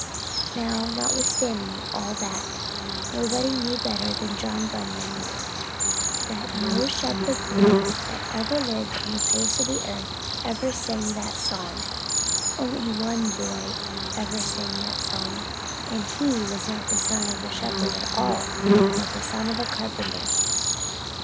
Now, notwithstanding all that, nobody knew better than John Bunyan knew, that no shepherd boy that ever lived on the face of the earth ever sang that song; only one Boy ever sang that song, and He was not the son of a shepherd at all, but the son of a carpenter.